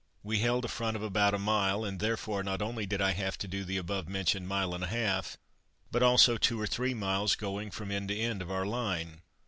We held a front of about a mile, and, therefore, not only did I have to do the above mentioned mile and a half, but also two or three miles going from end to end of our line.